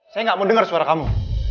saya gak mau denger suara kamu